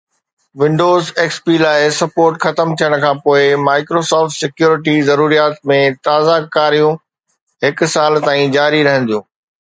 windows XP لاءِ support ختم ٿيڻ کان پوءِ Microsoft سيڪيورٽي ضروريات ۾ تازه ڪاريون هڪ سال تائين جاري رهنديون